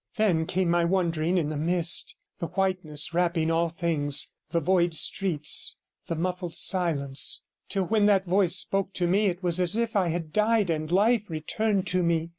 Then came my wandering in the mist, the whiteness wrapping all things, the void streets, and muffled silence, till when that voice spoke to me it was as if I had died and life returned to me.